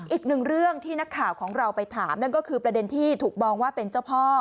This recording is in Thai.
อีกหนึ่งเรื่องที่นักข่าวของเราไปถามนั่นก็คือประเด็นที่ถูกมองว่าเป็นเจ้าพ่อ